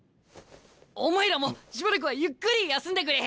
お前らもしばらくはゆっくり休んでくれ。